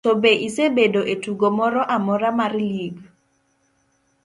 to be isebedo e tugo moro amora mar lig?